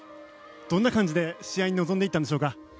どんな感じで試合に臨んでいったんでしょうか。